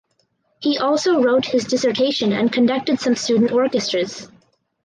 He also wrote his dissertation and conducted some student orchestras.